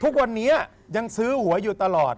ทุกวันนี้ยังซื้อหัวอยู่ตลอด